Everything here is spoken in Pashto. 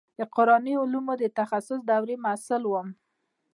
د قراني علومو د تخصص دورې محصل وم.